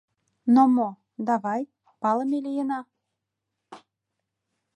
— Но мо, давай, палыме лийына.